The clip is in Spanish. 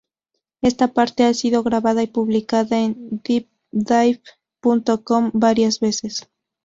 Esta parte ha sido grabada y publicada en DipDive.com varias veces.